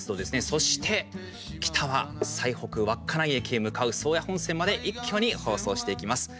そして北は、最北稚内駅へ向かう宗谷本線まで一挙に放送していきます。